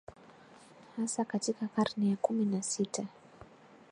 hasa katika karne ya kumi na sita